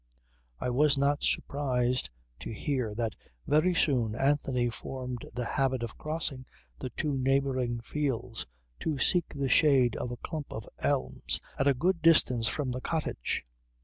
I was not surprised to hear that very soon Anthony formed the habit of crossing the two neighbouring fields to seek the shade of a clump of elms at a good distance from the cottage.